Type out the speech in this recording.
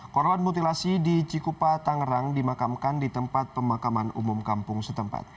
korban mutilasi di cikupa tangerang dimakamkan di tempat pemakaman umum kampung setempat